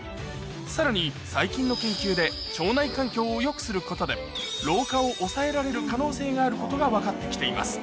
さらに最近の研究で腸内環境をよくすることで老化を抑えられる可能性があることが分かって来ています